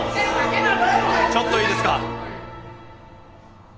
ちょっといいですか？